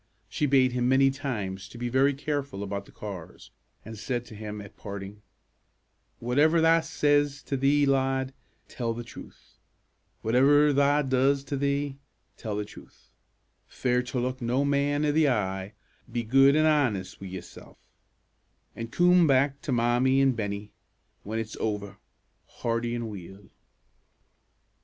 She bade him many times to be very careful about the cars, and said to him, at parting, "Whatever tha says to thee, lad, tell the truth; whatever tha does to thee, tell the truth; fear to look no man i' the eye; be good an' honest wi' yoursel', an' coom back to Mommie an' Bennie, when it's ower, hearty an' weel."